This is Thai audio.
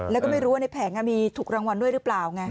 แล้วก็ไม่รู้ว่าในแผงมีถูกรางวัลด้วยหรือเปล่าไง